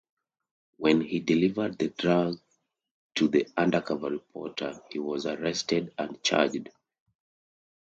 When he delivered the drug to the undercover reporter he was arrested and charged.